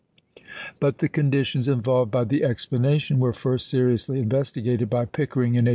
But the conditions involved by the explanation were first seriously investigated by Pickering in 1880.